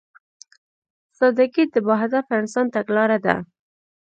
سادهګي د باهدفه انسان تګلاره ده.